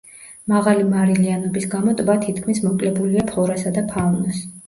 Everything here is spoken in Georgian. მაღალი მარილიანობის გამო, ტბა თითქმის მოკლებულია ფლორასა და ფაუნას.